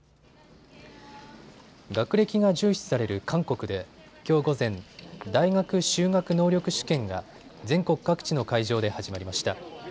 学歴が重視される韓国できょう午前、大学修学能力試験が全国各地の会場で始まりました。